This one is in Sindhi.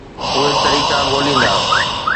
اهي طريقا ڳوليندا.